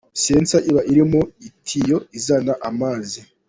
Sensor iba iri mu itiyo izana amazi .